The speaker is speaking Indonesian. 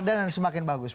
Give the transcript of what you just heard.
ada dan semakin bagus